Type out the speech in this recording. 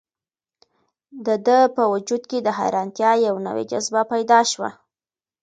د ده په وجود کې د حیرانتیا یوه نوې جذبه پیدا شوه.